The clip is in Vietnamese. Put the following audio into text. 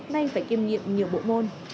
nay phải kiêm nghiệm nhiều bộ môn